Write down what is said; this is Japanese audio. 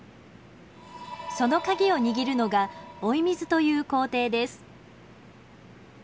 その鍵を握るのが追い水という工程です。